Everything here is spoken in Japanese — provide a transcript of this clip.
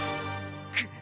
くっ。